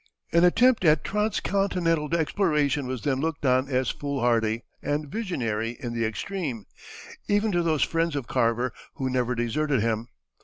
An attempt at transcontinental exploration was then looked on as foolhardy and visionary in the extreme, even to those friends of Carver who never deserted him.